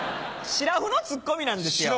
しらふのツッコミなんですよ。